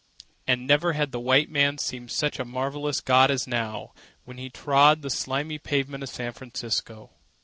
And never had the white men seemed such marvellous gods as now, when he trod the slimy pavement of San Francisco.